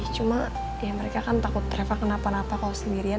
cuma ya mereka kan takut travel kenapa napa kalau sendirian